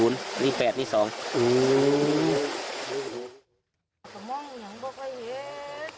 นี่๘นี่๒